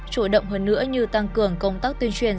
chủ động hơn nữa như tăng cường công tác tuyên truyền